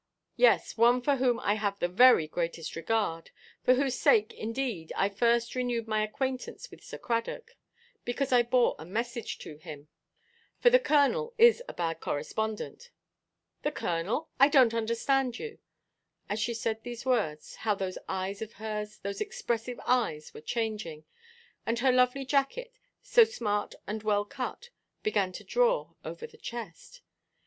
"Yes, one for whom I have the very greatest regard. For whose sake, indeed, I first renewed my acquaintance with Sir Cradock, because I bore a message to him; for the Colonel is a bad correspondent." "The Colonel! I donʼt understand you." As she said these words, how those eyes of hers, those expressive eyes, were changing! And her lovely jacket, so smart and well cut, began to "draw" over the chest.